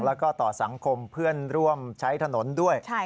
แล้วก็ต่อสังคมเพื่อนร่วมใช้ถนนด้วย